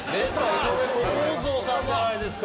井上小公造さんじゃないですか。